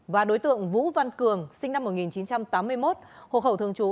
và đối tượng vũ văn cường sinh năm một nghìn chín trăm tám mươi một hộ khẩu thường trú